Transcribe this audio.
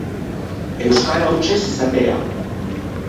Euskara hutsez izatea.